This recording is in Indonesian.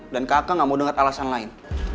dan kakak gak mau denger alasan lain